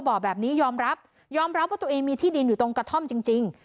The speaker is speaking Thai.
บอกแบบนี้ยอมรับยอมรับว่าตัวเองมีที่ดินอยู่ตรงกระท่อมจริง